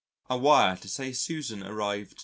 A wire to say Susan arrived 2.